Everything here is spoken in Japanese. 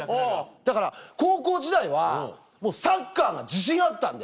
だから高校時代はサッカーが自信あったんで。